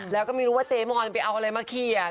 แล้วก็ไม่รู้ว่าเจ๊มอนไปเอาอะไรมาเขียน